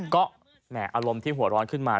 ก็แหม่อารมณ์ที่หัวร้อนขึ้นมา